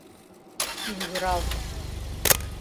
Мӱгыралт